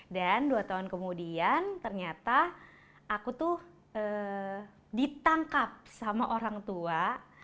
dan dua tahun kemudian ternyata aku tuh ditangkap sama orang tua